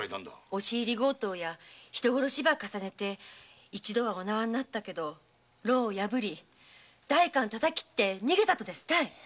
押し入り強盗や人殺しば重ねて一度はお縄になったけど牢を破り代官を切って逃げたとですたい。